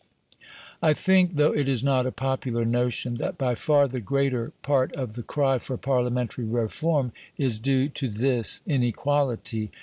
I think (though it is not a popular notion) that by far the greater part of the cry for Parliamentary reform is due to this inequality.